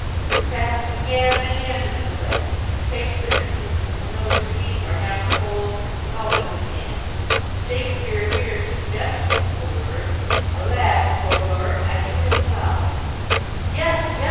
This happens again and again in the play. Take, for instance, the familiar scene where Hamlet holds the skull in his hand: Shakespeare here suggests the words 'Alas, poor Yorick! I knew him well '" "Yes, yes!"